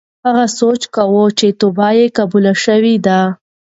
هغه سوچ کاوه چې توبه یې قبوله شوې ده.